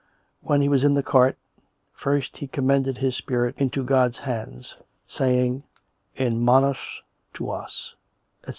When he was in the cart, first he commended his spirit into God's Hands, saying In manus tuas, etc.